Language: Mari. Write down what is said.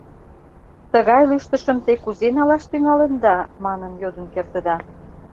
«Тыгай лӱштышым те кузе налаш тӱҥалында?» манын йодын кертыда.